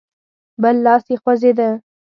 بل لاس يې خوځېده.